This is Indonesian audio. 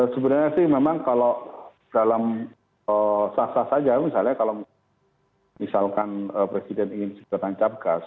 sebenarnya sih memang kalau dalam sah sah saja misalnya kalau misalkan presiden ingin segera tancap gas